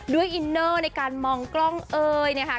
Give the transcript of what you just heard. อินเนอร์ในการมองกล้องเอ่ยนะคะ